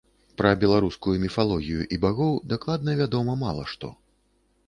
Пра беларускую міфалогію і багоў дакладна вядома мала што.